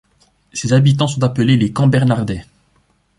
Ses habitants sont appelés les Cambernardais.